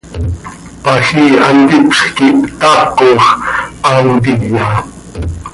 Pajii hant ipzx quih taacoj, haa ntiya.